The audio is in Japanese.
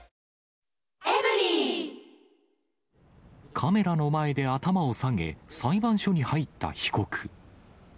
カメラの前で頭を下げ、裁判所に入った被告。